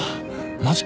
マジか？